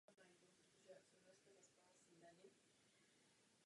Je špatný.